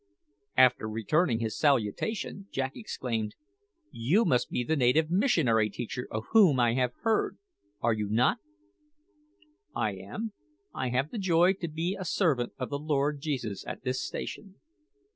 After returning his salutation, Jack exclaimed, "You must be the native missionary teacher of whom I have heard are you not?" "I am. I have the joy to be a servant of the Lord Jesus at this station."